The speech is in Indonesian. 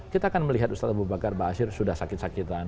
kita akan melihat ustaz abu bakar ba'asyir sudah sakit sakitan